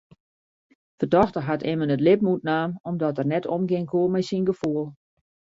Fertochte hat immen it libben ûntnaam omdat er net omgean koe mei syn gefoel.